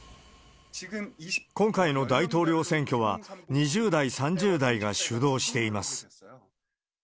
今回の大統領選挙は、２０代、３０代が主導しています。